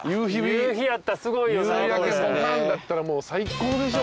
夕焼けドカンだったらもう最高でしょ。